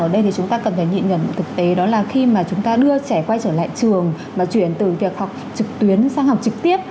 vậy thì chúng ta cần phải nhịn nhẩn thực tế đó là khi mà chúng ta đưa trẻ quay trở lại trường và chuyển từ việc học trực tuyến sang học trực tiếp